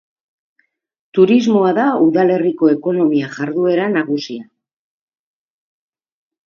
Turismoa da udalerriko ekonomia jarduera nagusia.